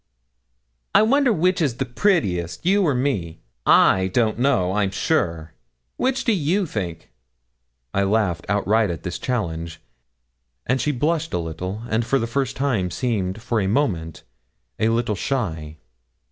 'I wonder which is the prettiest, you or me? I don't know, I'm sure which do you think?' I laughed outright at this challenge, and she blushed a little, and for the first time seemed for a moment a little shy.